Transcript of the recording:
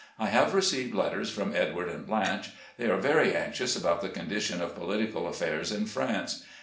I have received letters from Edward and Blanche. They are very anxious about the condition of political affairs in France.